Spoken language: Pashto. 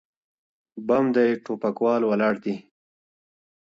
بم دی ټوپکوال ولاړ دي_